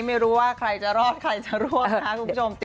ไม่รู้ว่าใครจะรอดใครจะรวดนะคะคุณผู้ชม